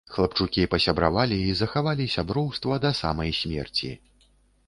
Хлапчукі пасябравалі і захавалі сяброўства да самай смерці.